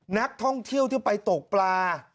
นักท่องเที่ยวที่ไปตกปลา